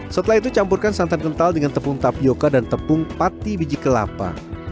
setelah itu campurkan santan kental dengan tepung tapioca dan tepung pati biji kelapa